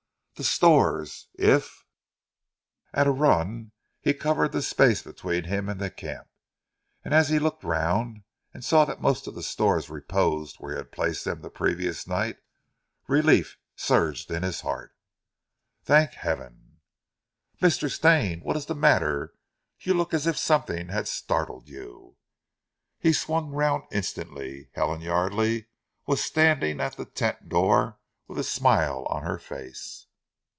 "The stores. If " At a run he covered the space between him and the camp, and as he looked round and saw that most of the stores reposed where he had placed them the previous night, relief surged in his heart. "Thank heaven!" "Mr. Stane, what is the matter? You look as if something had startled you." He swung round instantly. Helen Yardely was standing at the tent door with a smile on her face.